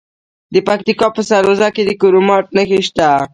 د پکتیکا په سروضه کې د کرومایټ نښې شته.